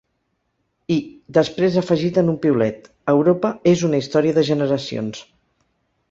I, després ha afegit en un piulet: Europa és una història de generacions.